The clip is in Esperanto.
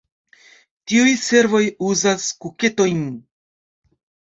Tiuj servoj uzas kuketojn.